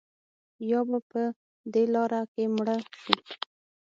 یا به په دې لاره کې مړه شو.